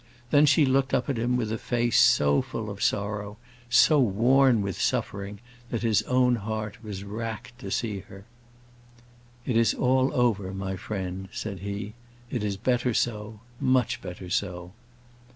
Then, she looked up at him with a face so full of sorrow, so worn with suffering, that his own heart was racked to see her. "It is all over, my friend," said he. "It is better so; much better so."